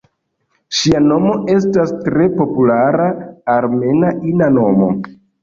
Ŝia nomo estas tre populara armena ina nomo.